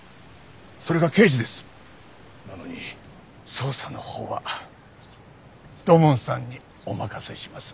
捜査のほうは土門さんにお任せします。